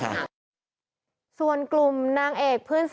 คือแม้ว่าจะมีการเลื่อนงานชาวพนักกิจแต่พิธีไว้อาลัยยังมีครบ๓วันเหมือนเดิม